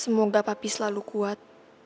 semoga papi selalu kuat